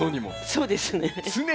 そうですね。